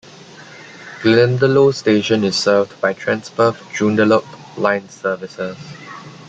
Glendalough station is served by Transperth Joondalup line services.